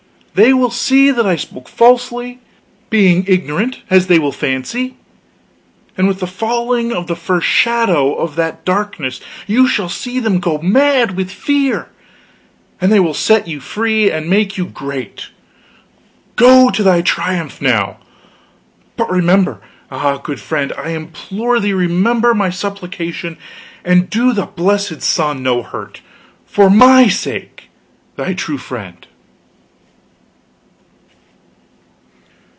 They will see that I spoke falsely, being ignorant, as they will fancy and with the falling of the first shadow of that darkness you shall see them go mad with fear; and they will set you free and make you great! Go to thy triumph, now! But remember ah, good friend, I implore thee remember my supplication, and do the blessed sun no hurt. For my sake, thy true friend."